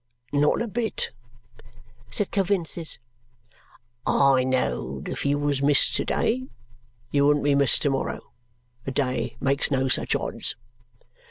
"Not a bit," said Coavinses. "I know'd if you wos missed to day, you wouldn't be missed to morrow. A day makes no such odds."